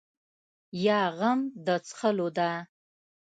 یا غم د څښلو ده.